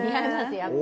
やっぱり。